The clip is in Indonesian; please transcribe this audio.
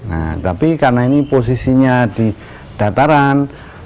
nah tapi karena ini posisinya di dataran